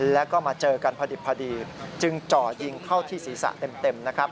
แล้วก็มาเจอกันพอดิบพอดีจึงจ่อยิงเข้าที่ศีรษะเต็มนะครับ